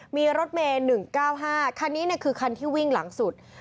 มีรถเมย์๑๙๕คันนี้คือคันที่วิ่งหลังสุด